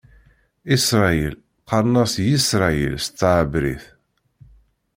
Iṣṛayil qqaṛen-as "Yisṛayil" s tɛebrit.